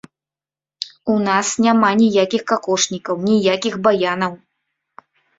У нас няма ніякіх какошнікаў, ніякіх баянаў.